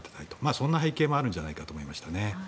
そんな背景もあるんじゃないかと思いました。